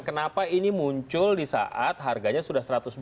kenapa ini muncul di saat harganya sudah satu ratus dua puluh